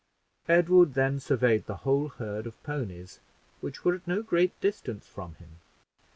Edward then surveyed the whole herd of ponies, which were at no great distance from him.